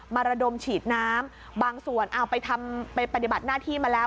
ระดมฉีดน้ำบางส่วนเอาไปทำไปปฏิบัติหน้าที่มาแล้ว